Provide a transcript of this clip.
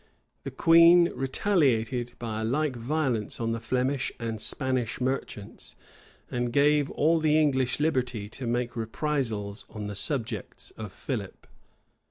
The queen retaliated by a like violence on the Flemish and Spanish merchants; and gave all the English liberty to make reprisals on the subjects of Philip.